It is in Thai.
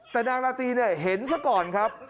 แต่นางราตรีเนี่ยเห็นซะก่อนครับ